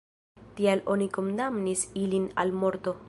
Tial oni kondamnis ilin al morto.